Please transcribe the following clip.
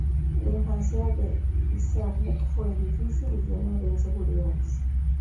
La infancia de Pizarnik fue difícil y llena de inseguridades.